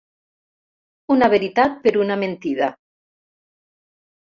Una veritat per una mentida.